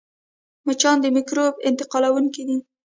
مچان د مکروب انتقالوونکي دي